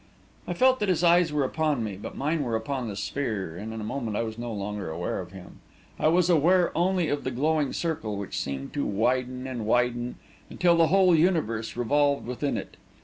I felt that his eyes were upon me, but mine were upon the sphere, and in a moment I was no longer aware of him. I was aware only of the glowing circle, which seemed to widen and widen until the whole universe revolved within it.